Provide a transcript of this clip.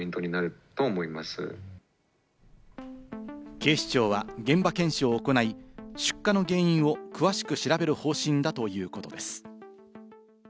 警視庁は現場検証を行い、出火の原因を詳しく調べる方針だということです。